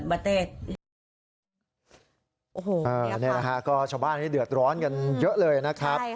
อันนี้นะคะชาวบ้านเดือดร้อนกันเยอะเลยนะครับ